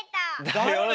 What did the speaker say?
だよね！